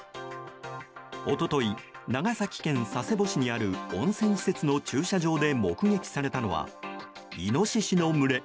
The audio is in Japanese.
一昨日、長崎県佐世保市にある温泉施設の駐車場で目撃されたのはイノシシの群れ。